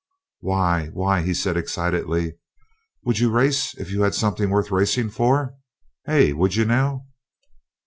"Why why," he said excitedly, "would you race if you had something worth racing for, hey? would you now?"